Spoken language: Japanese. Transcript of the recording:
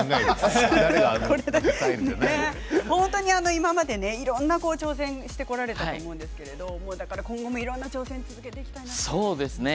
本当に今までいろいろな挑戦をされてきたと思うんですけれど今後もいろいろな挑戦を続けていきたいですか？